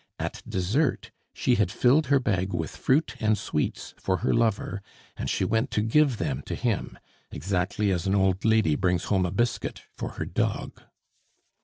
At dessert she had filled her bag with fruit and sweets for her lover, and she went to give them to him, exactly as an old lady brings home a biscuit for her dog.